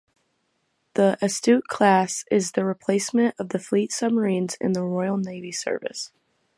The "Astute" class is the replacement for the fleet submarines in Royal Navy service.